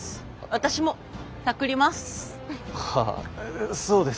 私もタクります。